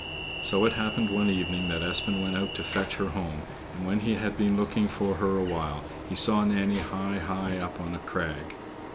So it happened one evening that Espen went out to fetch her home, and when he had been looking for her awhile, he saw Nanny high, high up on a crag.